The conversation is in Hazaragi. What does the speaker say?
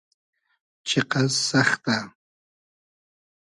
چیقئس سئختۂ